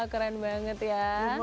keren banget ya